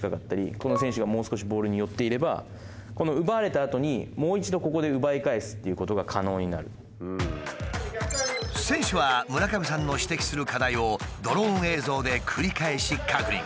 この選手がもう少しボールに寄っていれば選手は村上さんの指摘する課題をドローン映像で繰り返し確認。